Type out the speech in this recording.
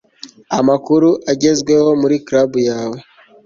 Amakuru agezweho muri club yawe